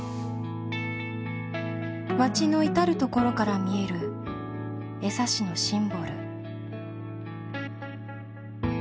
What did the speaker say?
町の至る所から見える枝幸のシンボル。